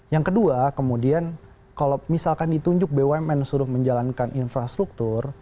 yang kedua kemudian kalau misalkan ditunjuk bumn suruh menjalankan infrastruktur